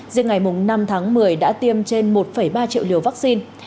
riêng ngày năm tháng một mươi đã tiêm trên một ba triệu liều vắc xin